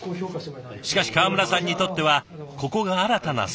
しかし川村さんにとってはここが新たなスタートライン。